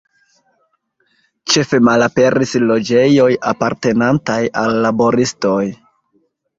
Ĉefe malaperis loĝejoj apartenantaj al laboristoj.